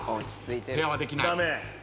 ペアはできない。